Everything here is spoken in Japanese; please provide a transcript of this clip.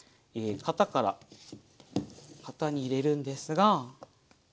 型から型に入れるんですが。